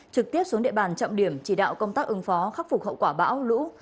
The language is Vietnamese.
trực tiếp xuống địa bàn trọng điểm chỉ đạo công tác ứng phó khắc phục hậu quả bão lũ